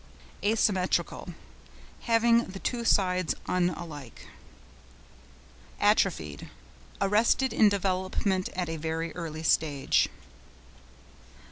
ASYMMETRICAL.—Having the two sides unlike. ATROPHIED.—Arrested in development at a very early stage.